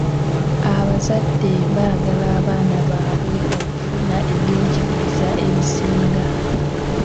Abazadde baagala abaana baabwe okufuna ebyenjigiriza ebisinga.